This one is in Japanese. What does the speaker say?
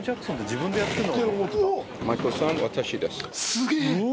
すげえ！